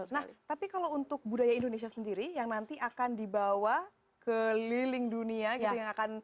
nah tapi kalau untuk budaya indonesia sendiri yang nanti akan dibawa keliling dunia gitu yang akan